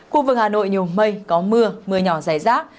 khu vực hà nội nhiều mây có mưa mưa nhỏ dài rác